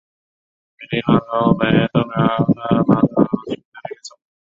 米林乌头为毛茛科乌头属下的一个种。